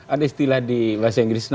ada istilah di bahasa inggris